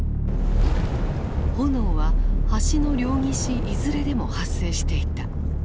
炎は橋の両岸いずれでも発生していた。